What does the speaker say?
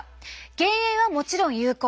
減塩はもちろん有効！